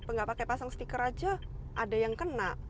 nggak pakai pasang stiker aja ada yang kena